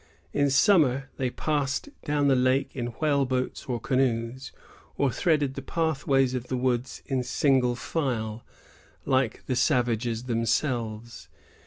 In summer, they passed down the lake in whale boats or canoes, or threaded the pathways of the woods in single file, like the savages themselves.